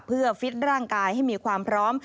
เพื่อฟิตร่างกายให้มีความพร้อม